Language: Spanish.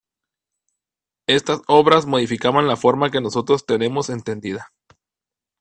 Estas obras modificaban la forma que nosotros tenemos entendida.